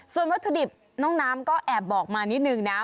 ส่วนวัตถุดิบน้องน้ำก็แอบบอกมานิดนึงนะ